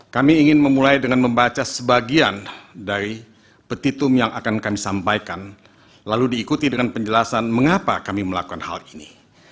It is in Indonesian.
kami ingin memulai dengan membaca sebagian dari petitum yang akan kami sampaikan lalu diikuti dengan penjelasan mengapa kami melakukan hal ini